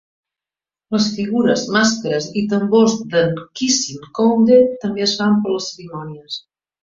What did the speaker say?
Les figures, màscares i tambors de "Nkisi nkonde" també es fan per a les cerimònies.